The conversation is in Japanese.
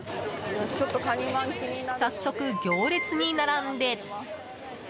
早速、行列に並んで。